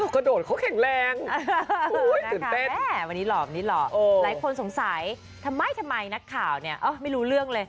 เค้ากระโดดเค้าแข็งแรง